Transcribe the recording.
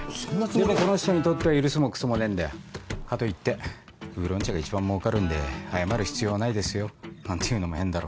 でもこの人にとっては許すもクソもねえんだよかといって「ウーロン茶が一番もうかるんで謝る必要はないですよ」なんて言うのも変だろ。